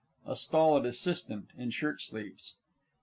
A STOLID ASSISTANT (in shirtsleeves).